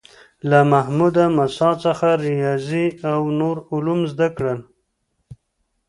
له محمود مساح څخه ریاضي او نور علوم زده کړل.